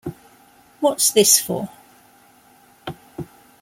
What's this for?